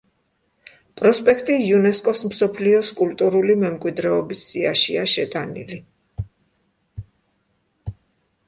პროსპექტი იუნესკოს მსოფლიოს კულტურული მემკვიდრეობის სიაშია შეტანილი.